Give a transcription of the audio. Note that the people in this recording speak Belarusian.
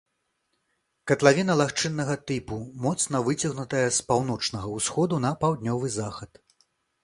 Катлавіна лагчыннага тыпу, моцна выцягнутая з паўночнага ўсходу на паўднёвы захад.